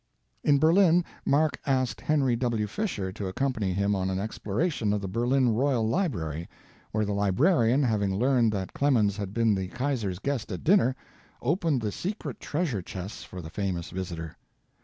In Berlin, Mark asked Henry W. Fisher to accompany him on an exploration of the Berlin Royal Library, where the librarian, having learned that Clemens had been the Kaiser's guest at dinner, opened the secret treasure chests for the famous visitor.